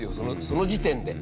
その時点で。